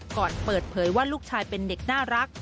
ก่อนเปิดเผยว่าลูกชายเป็นเด็กน่ารัก